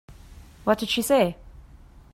What did she say?